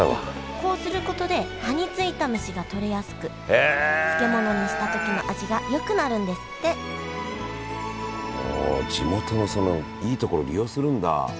こうすることで葉についた虫が取れやすく漬物にした時の味がよくなるんですってもう地元のそのいいところ利用するんだ。